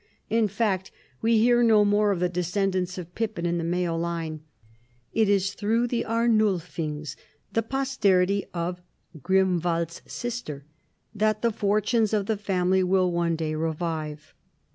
In fact, we hear no more of the de scendants of Pippin in the male line ; it is through the Arnulfings, the posterity of Grimwald's sister, that the fortunes of tlie family will one day revive.